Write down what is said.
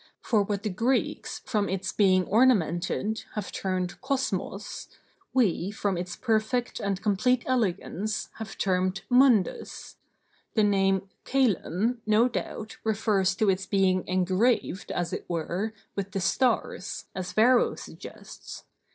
For what the Greeks, from its being ornamented, have termed κοσµος, we, from its perfect and complete elegance, have termed mundus. The name cœlum, no doubt, refers to its being engraved, as it were, with the stars, as Varro suggests.